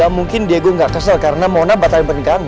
gak mungkin diego gak kesel karena mona batalin pernikahannya